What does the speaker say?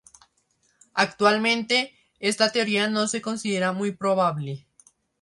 Actualmente, esta teoría no se considera muy probable.